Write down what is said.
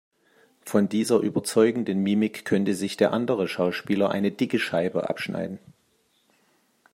Von dieser überzeugenden Mimik könnte sich der andere Schauspieler eine dicke Scheibe abschneiden.